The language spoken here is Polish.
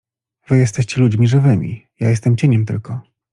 Wy jesteście ludźmi żywymi… ja jestem cieniem tylko.